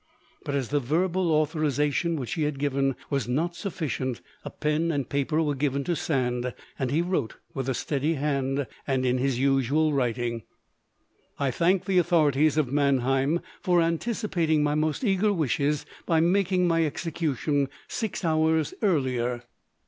But as the verbal authorisation which he had given was not sufficient, a pen and paper were given to Sand, and he wrote, with a steady hand and in his usual writing: "I thank the authorities of Mannheim for anticipating my most eager wishes by making my execution six hours earlier.